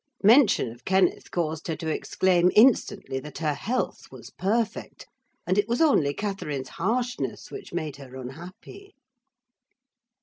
Mention of Kenneth caused her to exclaim, instantly, that her health was perfect, and it was only Catherine's harshness which made her unhappy.